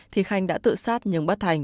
thì khanh đã tự sát nhưng bắt thành